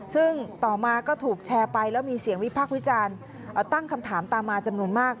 ซึ่งต่อมาก็ถูกแชร์ไปแล้วมีเสียงวิพากษ์วิจารณ์ตั้งคำถามตามมาจำนวนมาก